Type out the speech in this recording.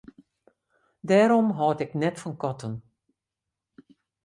Dêrom hâld ik net fan katten.